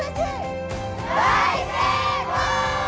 大成功！